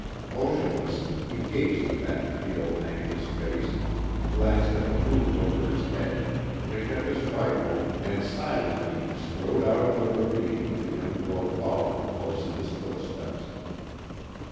*' Mo tionless, he gazed at that pale, anxious face, glanced at the moon over his head, picked up his rifle, and silently strode out of the ravine with the young girl following close in his foot steps.